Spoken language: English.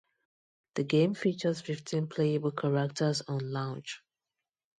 The game features fifteen playable characters on launch.